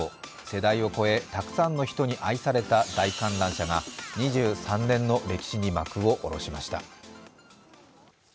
世代を超え、たくさんの人に愛された大観覧車が２３年の歴史に幕を下ろしました。